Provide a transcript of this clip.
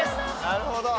なるほど。